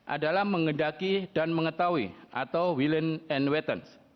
adalah mengendaki dan mengetahui atau willing and waiting